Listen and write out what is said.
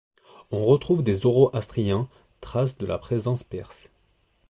On retrouve des zoroastriens, traces de la présence perse.